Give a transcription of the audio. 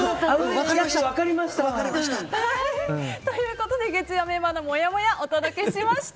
ということで月曜メンバーのもやもやお届けしました。